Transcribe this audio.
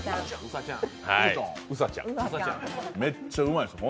めっちゃうまいです。